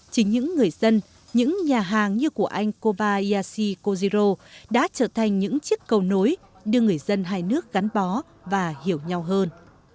chính những người dân những nhà hàng như của anh kobayashi kojiro đã trở thành những chiếc cầu nối đưa người dân hai nước gắn bó và hiểu nhau hơn